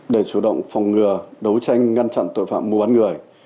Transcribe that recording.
để chủ động phòng ngừa đấu tranh ngăn chặn tội phạm mua bán người